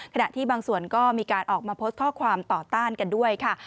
ขณะที่บางส่วนก็มีการออกมาโพสต์ข้อความต่อต้านกันด้วยค่ะ